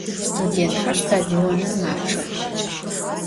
Studêntxer stadionım maççex.